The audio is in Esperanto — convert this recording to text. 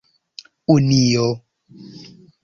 unio